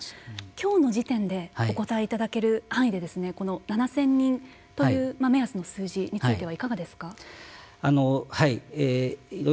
きょうの時点でお答えいただける範囲でこの７０００人という目安の数字についてはいかがですか。